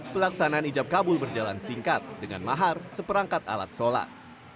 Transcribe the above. pelaksanaan ijab kabul berjalan singkat dengan mahar seperangkat alat sholat